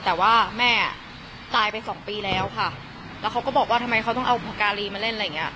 แต่ว่าแม่ตายไปสองปีแล้วค่ะแล้วเขาก็บอกว่าทำไมเขาต้องเอาปากการีมาเล่นอะไรอย่างเงี้